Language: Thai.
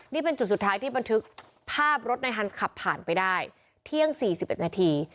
นี่เป็นจุดสุดท้ายที่บันทึกภาพรถในฮันส์ขับผ่านไปได้เที่ยง๔๑นาที